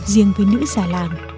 riêng với nữ già làng